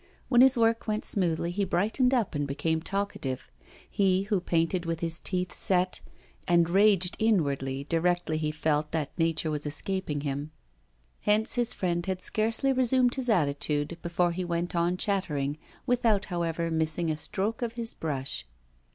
When his work went smoothly he brightened up and became talkative; he, who painted with his teeth set, and raged inwardly directly he felt that nature was escaping him. Hence his friend had scarcely resumed his attitude before he went on chattering, without, however, missing a stroke of his brush.